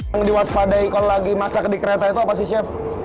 yang diwaspadai kalau lagi masak di kereta itu apa sih chef